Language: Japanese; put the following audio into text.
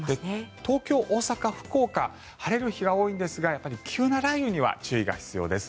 東京、大阪、福岡晴れる日が多いんですが急な雷雨には注意が必要です。